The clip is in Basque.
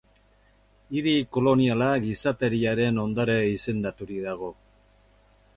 Hiri koloniala Gizateriaren ondare izendaturik dago.